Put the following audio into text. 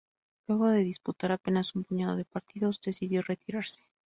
Luego de disputar apenas un puñado de partidos, decidió retirarse.